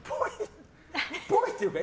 っぽいっていうか